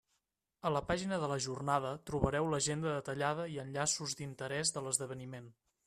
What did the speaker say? A la pàgina de la jornada trobareu l'agenda detallada i enllaços d'interès de l'esdeveniment.